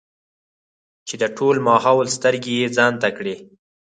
چې د ټول ماحول سترګې يې ځان ته کړې ـ